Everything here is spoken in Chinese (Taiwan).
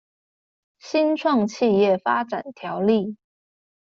新創企業發展條例